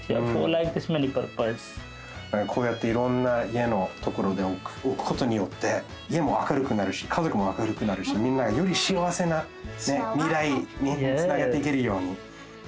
こうやっていろんな家のところでおくことによって家も明るくなるし家ぞくも明るくなるしみんなよりしあわせな未来につなげていけるように。